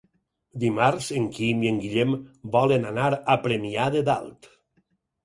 Dimarts en Quim i en Guillem volen anar a Premià de Dalt.